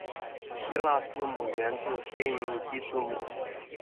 希腊字母源自腓尼基字母。